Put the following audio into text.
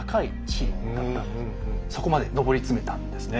そこまで上り詰めたんですね。